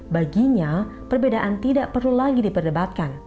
baginya perbedaan tidak perlu lagi diperdebatkan